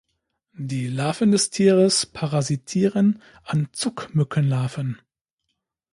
Die Larven des Tieres parasitieren an Zuckmückenlarven.